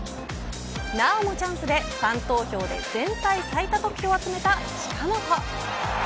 なおもチャンスでファン投票で全体最多得票を集めた近本。